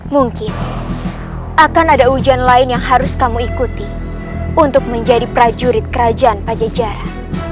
mungkin akan ada ujian lain yang harus kamu ikuti untuk menjadi prajurit kerajaan pajajaran